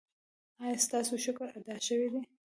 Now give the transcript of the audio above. ایا ستاسو شکر ادا شوی دی؟